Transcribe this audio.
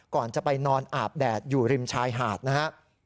ก่อนจะไปนอนอาบแดดอยู่ริมชายหาดนะครับ